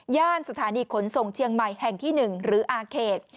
สถานีขนส่งเชียงใหม่แห่งที่๑หรืออาเขต